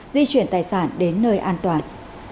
di chuyển tài sản đến nơi an toàn